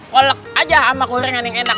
kolek aja sama kulineran yang enak